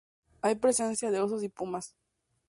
Hay presencia de osos y pumas.